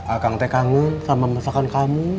akang tak kangen sama masakan kamu